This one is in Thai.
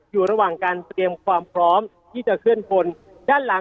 อยู่ระหว่างการเตรียมความพร้อมที่จะเคลื่อนพลด้านหลัง